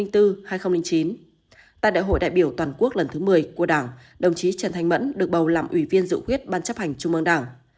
tại đại hội đại biểu toàn quốc lần thứ một mươi của đảng đồng chí trần thanh mẫn được bầu làm ủy viên dự khuyết ban chấp hành trung mương đảng